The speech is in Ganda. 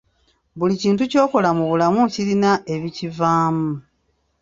Buli kintu ky'okola mu bulamu kirina ebikivaamu.